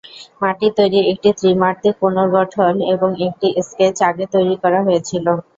মাটির তৈরি একটি ত্রিমাত্রিক পুনর্গঠন এবং একটি স্কেচ আগে তৈরি করা হয়েছিল।